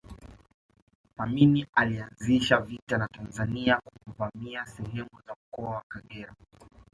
Amin alianzisha vita na Tanzania kwa kuvamia sehemu za mkoa wa Kagera